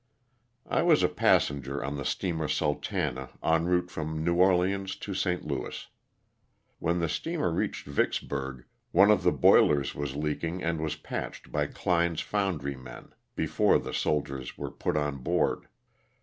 I was a passenger on the steamer *' Sultana," en route from New Orleans to St. Louis. When the steamer reached Vicksburg one of the boilers was leak ing and was patched by Klien's foundry men before the soldiers were put on board.